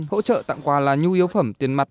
hỗ trợ tặng quà là nhu yếu phẩm tiền mặt